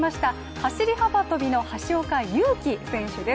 走り幅跳びの橋岡優輝選手です。